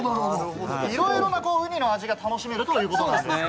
いろいろなウニの味を楽しめるということなんですね。